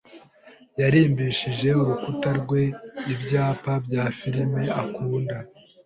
yarimbishije urukuta rwe ibyapa bya firime akunda.